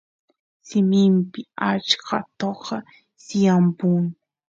simimpi achka toqa tiyapun